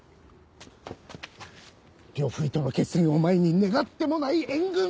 呂不韋との決戦を前に願ってもない援軍！